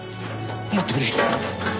待ってくれ。